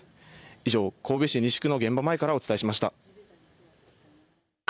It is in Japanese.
以上、神戸市西区の現場前からお伝えしました。